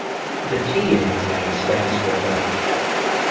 The "T" in his name stands for "The.